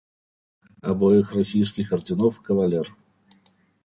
Обоих российских орденов кавалер!..